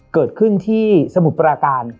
เกิดขึ้นที่สมุทรปราการ